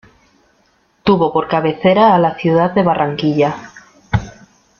Tuvo por cabecera a la ciudad de Barranquilla.